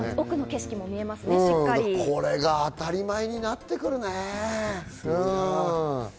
これが当たり前になってくるね。